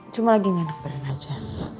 cuma lagi ngenak beran aja